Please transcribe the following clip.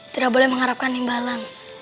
tidak boleh mengharapkan yang malang